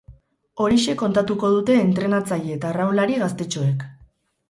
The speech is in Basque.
Horixe kontatuko dute entrenatzaile eta arraunlari gaztetxoek.